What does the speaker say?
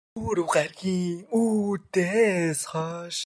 Өнгөрсөн пүрэв гаригийн үдээс хойш.